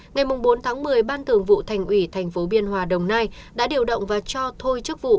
ngày bốn tháng một mươi ban thường vụ thành ủy thành phố biên hòa đồng nai đã điều động và cho thôi chức vụ